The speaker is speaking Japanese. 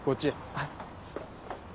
はい。